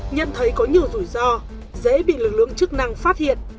nhận thấy có nhiều rủi ro dễ bị lực lượng chức năng phát hiện